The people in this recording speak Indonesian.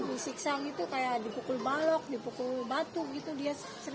disiksa gitu kayak dipukul balok dipukul batu gitu dia sering